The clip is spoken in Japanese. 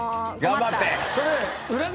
頑張って。